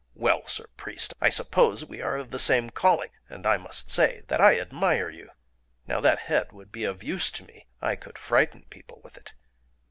Well, Sir priest, I suppose we are of the same calling; and I must say that I admire you!... Now that head would be of use to me: I could frighten people with it.